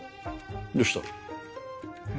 どうした？